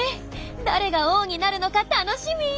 誰が王になるのか楽しみ！